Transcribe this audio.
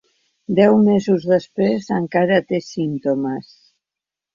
Deu mesos després encara té símptomes.